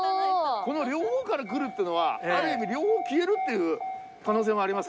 この両方から来るってのはある意味両方消えるっていう可能性もあります。